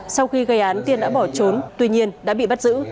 sau khi gây án tiên đã bỏ trốn tuy nhiên đã bị bắt giữ